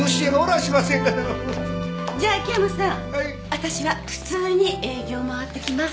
私は普通に営業回ってきます。